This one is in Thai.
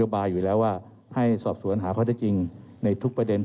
เรามีการปิดบันทึกจับกลุ่มเขาหรือหลังเกิดเหตุแล้วเนี่ย